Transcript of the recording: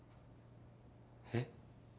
えっ？